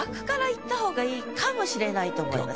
かもしれないと思います。